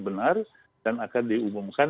benar dan akan diumumkan